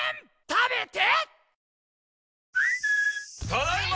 食べて！